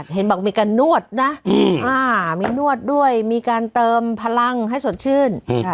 เห็นบอกมีการนวดนะมีนวดด้วยมีการเติมพลังให้สดชื่น